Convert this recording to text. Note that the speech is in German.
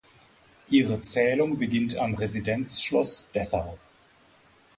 Ihr Zählung beginnt am Residenzschloss Dessau.